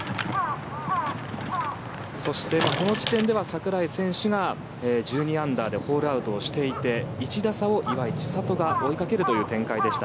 そして、この時点では櫻井選手が１２アンダーでホールアウトをしていて１打差を岩井千怜が追いかけるという展開でした。